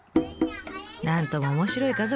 なんとも面白い家族。